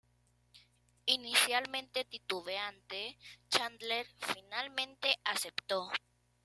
Inicialmente titubeante, Chandler finalmente aceptó.